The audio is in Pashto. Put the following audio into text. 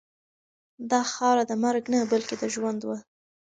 دا خاوره د مرګ نه بلکې د ژوند وه.